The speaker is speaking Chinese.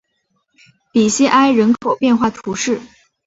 比西埃人口变化图示